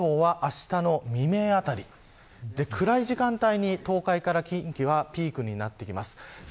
東海地方は、あしたの未明あたり暗い時間帯に、東海から近畿はピークになってきます。